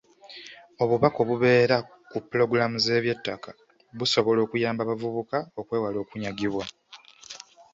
Obubaka obubeera mu pulogulaamu z'eby'ettaka busobola okuyamba abavubuka okwewala okunyagibwa.